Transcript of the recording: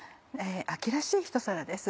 秋らしいひと皿です。